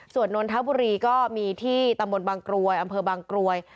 ส่วนนนทบุรีก็มีที่ตำบลบางกรวยอำเภอบางกรวย